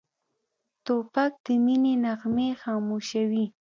توپک د مینې نغمې خاموشوي.